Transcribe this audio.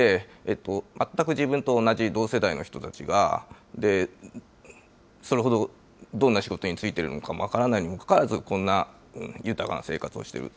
全く自分と同じ同世代の人たちが、それほどどんな仕事に就いているかも分からないにもかかわらず、こんな豊かな生活をしている。